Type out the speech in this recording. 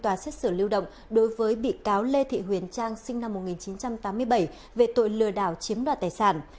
tòa án nhân dân huyện hòa an đã xét xử lưu động đối với bị cáo lê thị huyền trang sinh năm một nghìn chín trăm tám mươi bảy về tội lừa đảo chiếm đoạt tài sản